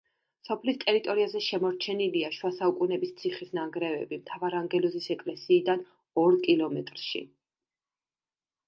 სოფლის ტერიტორიაზე შემორჩენილია შუასაუკუნეების ციხის ნანგრევები, მთავარანგელოზის ეკლესიიდან ორ კილომეტრში.